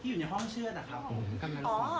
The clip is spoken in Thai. ที่อยู่ในห้องเชือดอะครับ